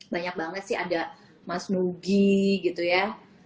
banyak banget sih ada mas nugi gitu ya